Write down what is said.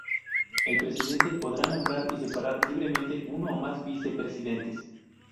El presidente podrá nombrar y separar libremente uno o más vicepresidentes.